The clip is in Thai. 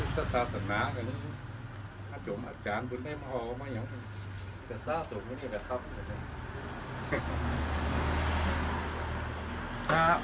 ถ้าสาสนาถ้าจงอาจารย์บุญแน่มหาว่าไม่ยังจะซ่าสุขไว้เนี่ยแหละครับ